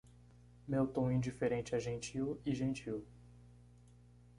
Meu tom indiferente é gentil e gentil.